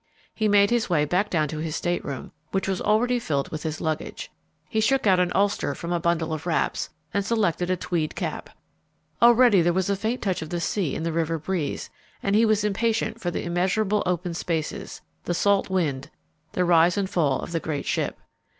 He made his way back down to his stateroom, which was already filled with his luggage. He shook out an ulster from a bundle of wraps, and selected a tweed cap. Already there was a faint touch of the sea in the river breeze, and he was impatient for the immeasurable open spaces, the salt wind, the rise and fall of the great ship.